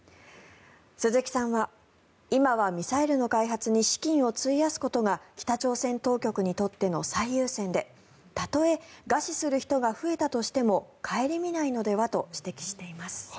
鈴木さんは今はミサイルの開発に資金を費やすことが北朝鮮当局にとっての最優先でたとえ餓死する人が増えたとしても顧みないのではと指摘しています。